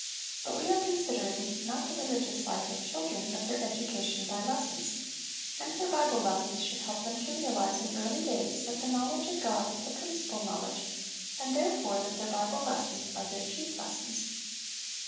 But we are considering, not the religious life of children, but their education by lessons ; and their Bible lessons should help them to realise in early days that the know ledge of God is the principal knowledge, and, there fore, that their Bible lessons are their chief lessons.